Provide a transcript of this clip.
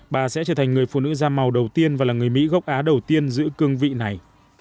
bà sẽ trở thành người phụ nữ da màu đầu tiên và là người mỹ gốc á đầu tiên giữ cương vị này